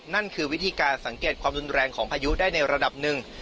นั่นคือวิธีการสังเกตความรุนแรงของพายุได้ในระดับหนึ่ง